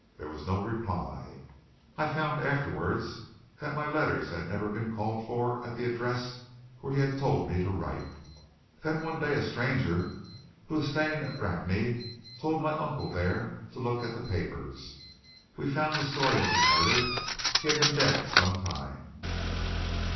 There was no reply. I found afterwards that my letters had never even been called for at the address where he told me to write. Then one day a stranger who was staying at Rakney told my uncle there to look at the papers. We found the story of his murder. He had been dead some time."